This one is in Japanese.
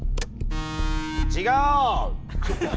違う！